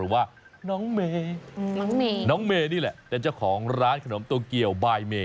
หรือว่าน้องเมจน้องเมนี่แหละแทนเจ้าของร้านขนมตัวเกลี่ยวบายเม